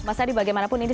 mas adi bagaimanapun ini